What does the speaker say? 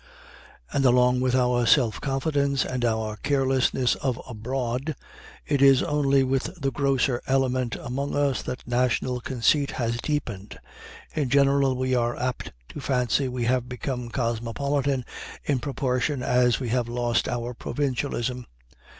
And along with our self confidence and our carelessness of "abroad," it is only with the grosser element among us that national conceit has deepened; in general, we are apt to fancy we have become cosmopolitan in proportion as we have lost our provincialism.